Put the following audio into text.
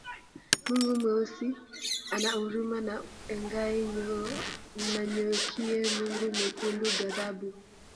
Mungu Mweusi ana huruma na Engai Nanyokie Mungu Mwekundu ghadhabu